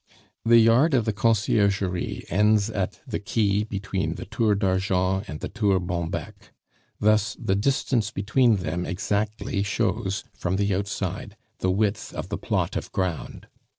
The yard of the Conciergerie ends at the quai between the Tour d'Argent and the Tour Bonbec; thus the distance between them exactly shows from the outside the width of the plot of ground.